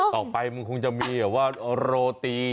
ต่อไปมันคงจะมีอย่างว่าโรติ